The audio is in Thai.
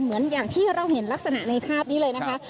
เหมือนอย่างที่เราเห็นลักษณะในภาพนี้เลยนะคะ